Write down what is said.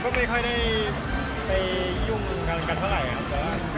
ดีนะครับผมก็ไม่ค่อยได้ไปยุ่งกันเท่าไหร่ครับ